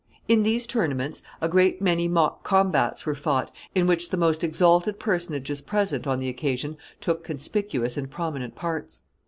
In these tournaments a great many mock combats were fought, in which the most exalted personages present on the occasion took conspicuous and prominent parts.